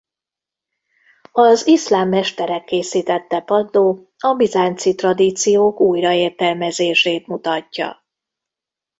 Az iszlám mesterek készítette padló a bizánci tradíciók újraértelmezését mutatja.